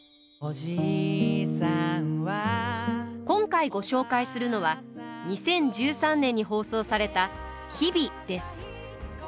今回ご紹介するのは２０１３年に放送された「日々」です。